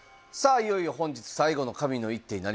いよいよ本日最後の神の一手になりました。